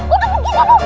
untung apa kan nek